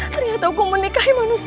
hari ini aku menikahi manusia